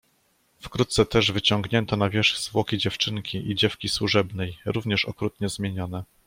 "Wkrótce też wyciągnięto na wierzch zwłoki dziewczynki i dziewki służebnej, również okrutnie zmienione."